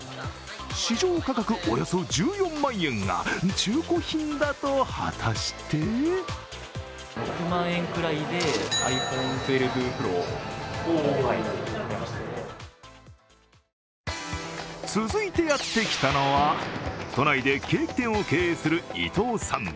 市場価格およそ１４万円が中古品だと、果たして続いてやってきたのは都内でケーキ店を経営する伊藤さん。